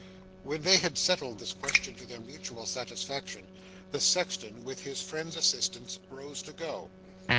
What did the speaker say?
When they had settled this question to their mutual satisfaction, the sexton, with his friend's assistance, rose to go.